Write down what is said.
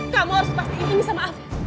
kamu harus pasti ngerti sama afif